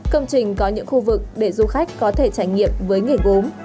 công trình có những khu vực để du khách có thể trải nghiệm với nghề gốm